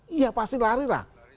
iya pasti larilah